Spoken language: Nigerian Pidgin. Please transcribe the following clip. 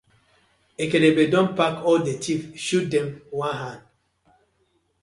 Ekekebe don pack all the thief shoot dem one hand.